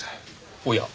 おや？